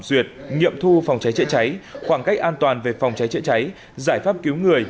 duyệt nghiệm thu phòng cháy chữa cháy khoảng cách an toàn về phòng cháy chữa cháy giải pháp cứu người